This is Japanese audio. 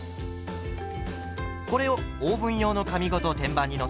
これをオーブン用の紙ごと天板に載せ